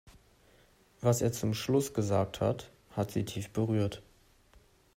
Was er zum Schluss gesagt hat, hat sie tief berührt.